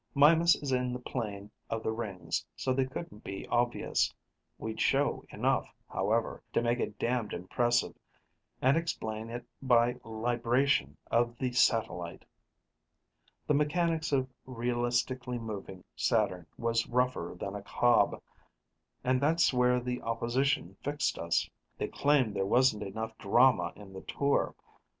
Mimas is in the plane of the rings, so they couldn't be obvious. We'd show enough, however, to make it damned impressive, and explain it by libration of the satellite. The mechanics of realistically moving Saturn was rougher than a cob. And that's where the opposition fixed us. They claimed there wasn't enough drama in the tour.